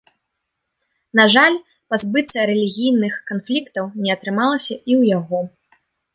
На жаль, пазбыцца рэлігійных канфліктаў не атрымалася і ў яго.